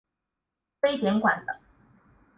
徽典馆的。